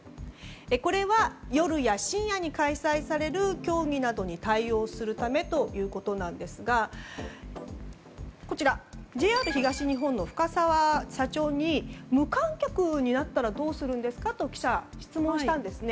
これは夜や深夜に開催される競技などに対応するためということですがＪＲ東日本の深澤社長に無観客になったらどうするんですか？と記者が質問したんですね。